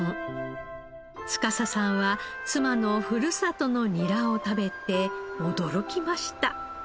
司さんは妻のふるさとのニラを食べて驚きました。